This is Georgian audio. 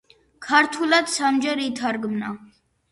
ქართულად სამჯერ ითარგმნა.